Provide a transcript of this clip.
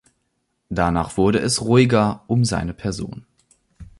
Danach wurde es ruhiger um seine Person.